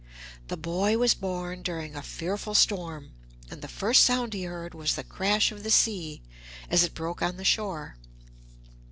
The boy was born during a fearful storm, and the first sound he heard was the crash of the sea as it broke on the shore.